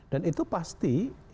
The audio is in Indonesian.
dan itu pasti membutuhkan